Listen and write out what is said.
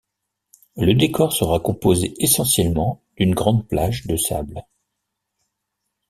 Le décor sera composé essentiellement d'une grande plage de sable.